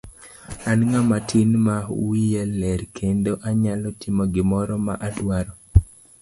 An ng'ama tin ma wiye ler kendo anyalo timo gimoro ma adwaro.